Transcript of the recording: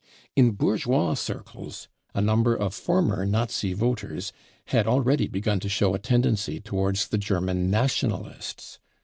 In bourgeois circles a number of former Nazi voters had already begun to show a tendency towards the German Nationalists.